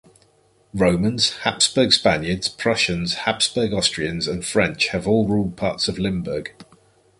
Romans, Habsburg Spaniards, Prussians, Habsburg Austrians and French have all ruled parts of Limburg.